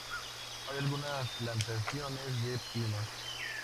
Hay algunas plantaciones de pinos.